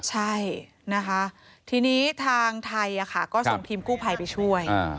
ใช่นะคะทีนี้ทางไทยก็ส่งทีมกู้ภัยไปช่วย